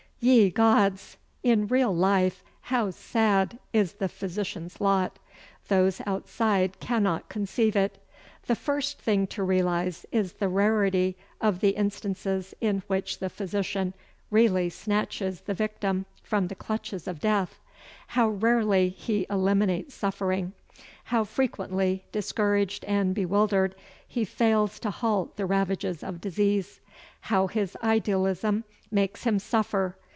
Ye gods! In real life how sad is the physician's lot! Those outside cannot conceive it. The first thing to realize is the rarity of the instances in which the physician really snatches the victim from the clutches of Death; how rarely he eliminates suffering; how frequently, discouraged and bewildered, he fails to halt the ravages of disease. How his idealism makes him suffer!